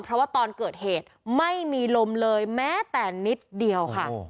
เพราะว่าตอนเกิดเหตุไม่มีลมเลยแม้แต่นิดเดียวค่ะ